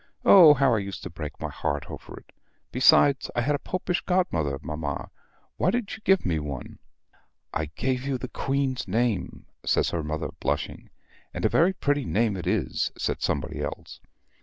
Oh, how I used to break my heart over it! Besides, I had a Popish godmother, mamma; why did you give me one?" "I gave you the Queen's name," says her mother blushing. "And a very pretty name it is," said somebody else.